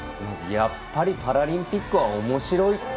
やっぱりパラリンピックはおもしろい。